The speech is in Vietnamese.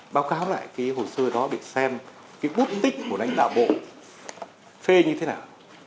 báo cáo lại cái hồ sơ đó để xem cái bút tích của lãnh đạo bộ phê như thế nào